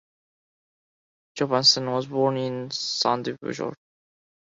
Johannessen was born in Sandefjord.